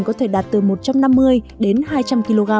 có thể đạt từ một trăm năm mươi đến hai trăm linh kg